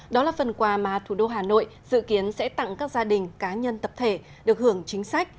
đó là phần quà mà thủ đô hà nội dự kiến sẽ tặng các gia đình cá nhân tập thể được hưởng chính sách